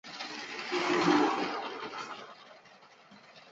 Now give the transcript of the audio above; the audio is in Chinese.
毕业于山东师范大学中文专业。